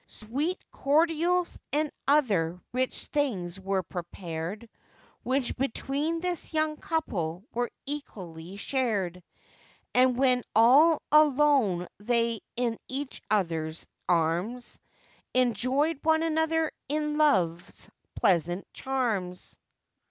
Sweet cordials and other rich things were prepared, Which between this young couple were equally shared; And when all alone they in each other's arms, Enjoyed one another in love's pleasant charms.